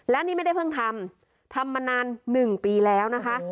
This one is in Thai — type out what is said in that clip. และนี่ไม่ได้เพิ่งทำทำมานาน๑ปีแล้วนะคะ